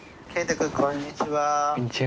こんにちは。